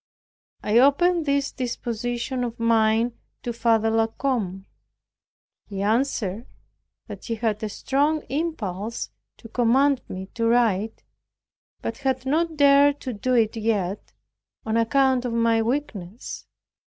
I opened this disposition of mine to Father La Combe. He answered that he had a strong impulse to command me to write, but had not dared to do it yet, on account of my weakness.